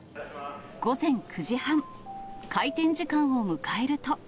午前９時半、開店時間を迎えると。